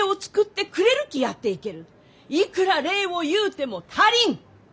いくら礼を言うても足りん！